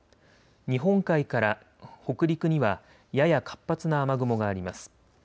日本海から北陸にはやや活発な雨雲があります。